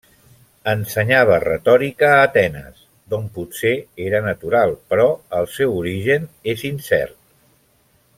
Ensenyava retòrica a Atenes, d'on potser era natural, però el seu origen és incert.